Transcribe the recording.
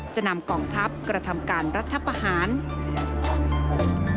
จะนำกองทัพกระทำการรัฐพหาวิทยาลัยสวน